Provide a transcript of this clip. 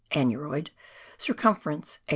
(aneroid), circumference 843 ft.